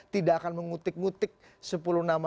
tidak akan mengutik ngutik sepuluh nama